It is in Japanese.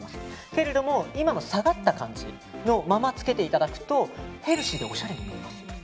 けれども、今の下がった感じのまま付けていただくとヘルシーでおしゃれに見えます。